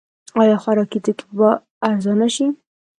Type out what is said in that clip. آیا خوراکي توکي به ارزانه شي؟